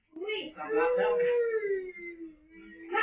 พี่หอล์หรูป